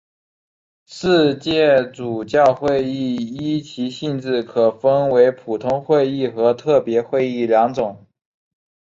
世界主教会议依其性质可分为普通会议和特别会议两种。